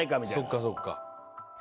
そっかそっか。